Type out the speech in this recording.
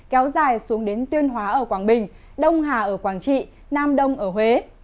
kéo dài xuống đến tuyên hóa ở quảng bình đông hà ở quảng trị nam đông ở huế